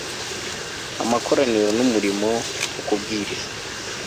amakoraniro n'umurimo wo kubwiriza